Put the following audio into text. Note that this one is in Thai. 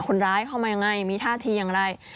คนร้ายเข้ามายังไงมีท่าทีอย่างไร